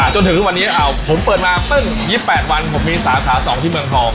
จนถึงวันนี้ผมเปิดมา๒๘วันผมมีสาขาสองที่เมืองฮอม